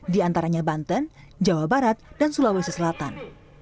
di antaranya banten jawa barat dan sulawesi selatan